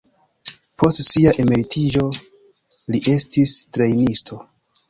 Post sia emeritiĝo, li estis trejnisto.